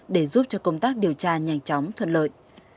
để giúp cho công tác điều tra nhanh chóng thuận lợi